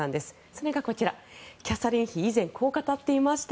それがキャサリン妃以前、こう語っていました。